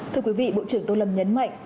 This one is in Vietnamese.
thưa quý vị bộ trưởng tô lâm nhấn mạnh